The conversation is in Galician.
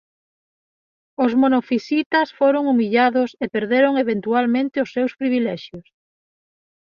Os monofisitas foron humillados e perderon eventualmente os seus privilexios.